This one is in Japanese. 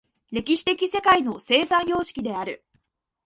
歴史的世界の生産様式である。